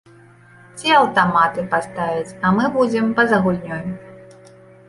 Ці аўтаматы паставяць, а мы будзем па-за гульнёй.